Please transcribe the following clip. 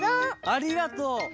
ありがとう！